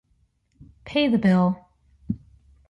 Pay the bill.